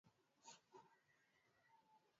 maili sitini tu kutoka London Lakini katika